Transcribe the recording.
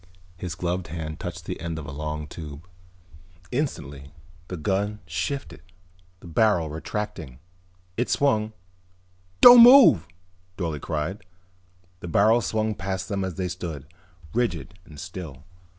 His gloved hand touched the end of a long tube. Instantly the gun shifted, the barrel retracting. It swung "Don't move!" Dorle cried. The barrel swung past them as they stood, rigid and still.